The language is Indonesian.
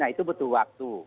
itu butuh waktu